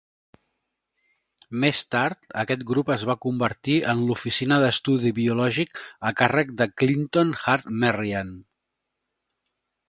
Més tard, aquest grup es va convertir en l'Oficina d'Estudi Biològic a càrrec de Clinton Hart Merriam.